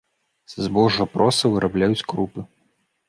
Са збожжа проса вырабляюць крупы.